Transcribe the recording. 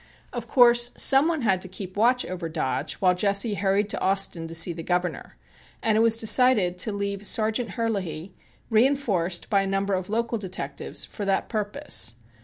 Of course some one had to keep watch over Dodge while Jesse hurried to Austin to see the Governor, and it was decided to leave Sergeant Herlihy, reinforced by a number of local detectives for that purpose.